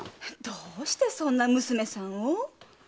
どうしてそんな娘さんを？